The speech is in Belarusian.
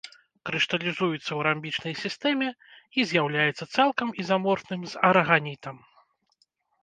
Крышталізуецца ў рамбічнай сістэме і з'яўляецца цалкам ізаморфным з араганітам.